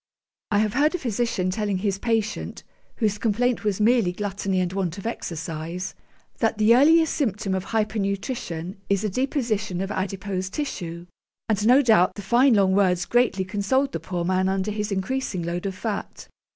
I have heard a physician telling his patient whose complaint was merely gluttony and want of exercise that 'the earliest symptom of hyper nutrition is a deposition of adipose tissue,' and no doubt the fine long words greatly consoled the poor man under his increasing load of fat.